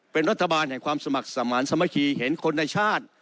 เป็นรัฐบาลแห่งความสมัครสมานสมัคคีเห็นคนในชาติ